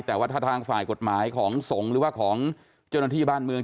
แต่ว่าถ้าทางฝ่ายกฏหมายของสงหรือว่าของจนาธิบ้านเมือง